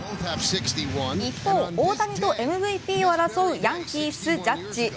一方、大谷とＭＶＰを争うヤンキース・ジャッジ。